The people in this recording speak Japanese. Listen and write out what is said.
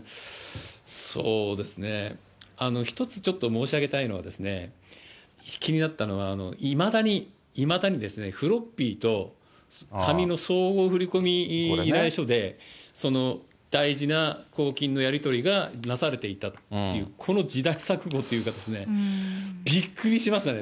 そうですね、一つちょっと申し上げたいのはですね、気になったのは、いまだに、いまだにフロッピーと紙の相互依頼書で大事な公金のやり取りがなされていたという、この時代錯誤というか、びっくりしましたね。